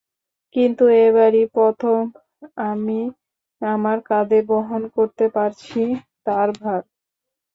কিন্তু এবারই প্রথম, আমি আমার কাঁধে বহন করতে পারছি তাঁর ভার।